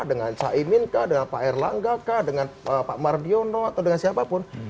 dengan cah imin kah dengan pak erlangga kah dengan pak mardiono atau dengan siapa